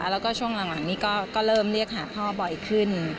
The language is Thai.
แล้วก็ช่วงหลังนี้ก็เริ่มเรียกหาพ่อบ่อยขึ้น